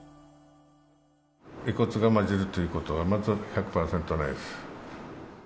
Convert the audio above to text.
遺骨が混じるということは、まず１００％ないです。